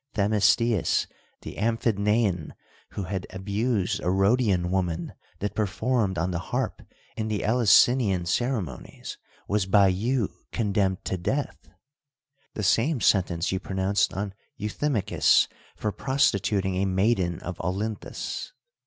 Themistius, the Araphiduffian, who had abused a Rhodian woman that performed on the harp in the Ek^usinian ceremonies, was by you condemned to death. The same sentence you pro nounced on Euthjanachus for prostituting a maiden of Olynthus.